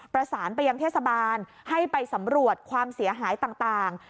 ประสานไปยังเทศบาลให้ไปสำรวจความเสียหายต่าง